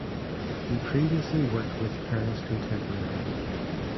He previously worked with Peris Contemporary.